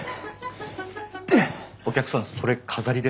お客さんそれ飾りです。